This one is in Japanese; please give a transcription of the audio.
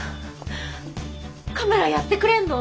カメラやってくれんの？